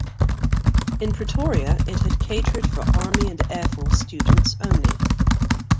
In Pretoria it had catered for army and air force students only.